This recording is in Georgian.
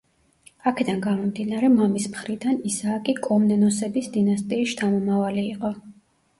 აქედან გამომდინარე, მამის მხრიდან, ისააკი კომნენოსების დინასტიის შთამომავალი იყო.